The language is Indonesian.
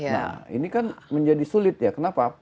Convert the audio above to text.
nah ini kan menjadi sulit ya kenapa